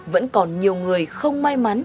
vẫn còn nhiều người không may mắn